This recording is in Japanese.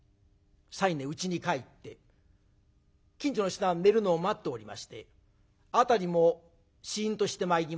西念うちに帰って近所の人が寝るのを待っておりまして辺りもしんとしてまいりました。